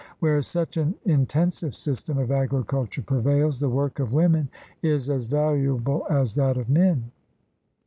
Where such an intensive system of agriculture prevails, the work of women is as valuable as that of men.